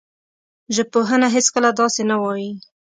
ژبپوهنه هېڅکله داسې نه وايي